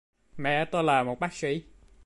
mẹ tôi là một bác sĩ